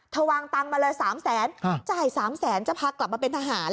เธอวางตังมาเลยสามแสนจ่ายสามแสนจะพากลับมาเป็นทหาร